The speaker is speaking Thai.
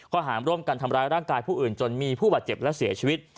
หารร่วมกันทำร้ายร่างกายผู้อื่นจนมีผู้บาดเจ็บและเสียชีวิต